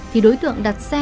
thì đối tượng đặt xe